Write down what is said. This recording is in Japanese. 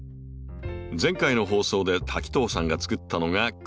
前回の放送で滝藤さんがつくったのがこちら。